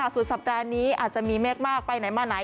สุดสัปดาห์นี้อาจจะมีเมฆมากไปไหนมาไหน